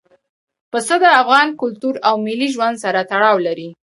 پسه د افغان کلتور او ملي ژوند سره تړاو لري.